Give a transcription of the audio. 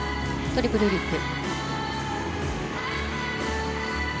トリプルフリップ。